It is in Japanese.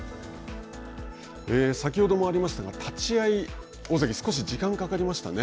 先ほどもありましたが、立ち会い、大関、少し時間がかかりましたね。